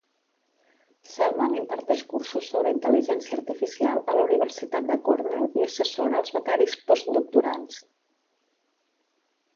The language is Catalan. Selman imparteix cursos sobre intel·ligència artificial a la Universitat de Cornell i assessora els becaris postdoctorals.